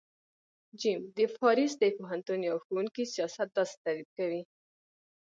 ج : د پاریس د پوهنتون یوه ښوونکی سیاست داسی تعریف کوی